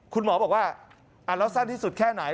คุณหมอบอกว่าแล้วสั้นที่สุดแค่ไหน